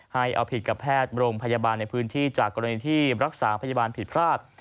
ให้เอาผิดกับแพทย์โรงพยาบาลในพื้นที่จากกรณีที่รักษาพยาบาลผิดพลาด